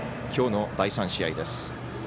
きょうの第３試合です。